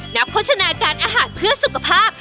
โฆษณาการอาหารเพื่อสุขภาพ